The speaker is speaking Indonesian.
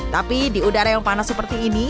tapi di udara yang panas seperti ini